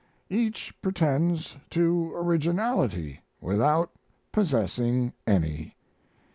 Each pretends to originality, without possessing any.